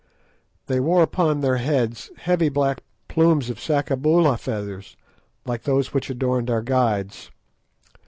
They wore upon their heads heavy black plumes of Sakaboola feathers, like those which adorned our guides.